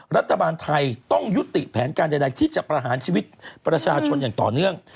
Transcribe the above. รัฐบาลไทยต้องยุติแผนการใดที่จะประหารชีวิตประชาชนอย่างต่อเนื่อง